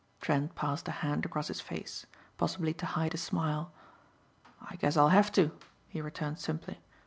Trent passed a hand across his face, possibly to hide a smile. "I guess I'll have to," he returned simply.